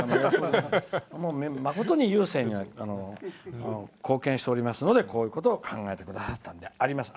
誠に郵政には貢献しておりますのでこういうことを考えてくださったんであります。